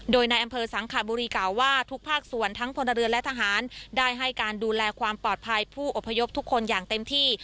โดยในอำเภอสังขบุรีกล่าวว่าทุกภาคส่วนทั้งพลเรือนและทหารได้ให้การดูแลความปลอดภัยผู้อพยพทุกคนอย่างเต็มที่